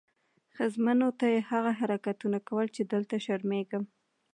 ښځمنو ته یې هغه حرکتونه کول چې دلته شرمېږم.